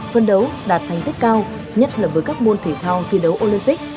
phân đấu đạt thành tích cao nhất là với các môn thể thao thi đấu olympic